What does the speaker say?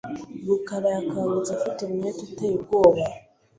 rukarayakangutse afite umutwe uteye ubwoba.